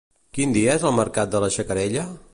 Quin dia és el mercat de Xacarella?